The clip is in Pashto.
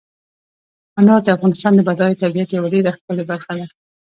انار د افغانستان د بډایه طبیعت یوه ډېره ښکلې برخه ده.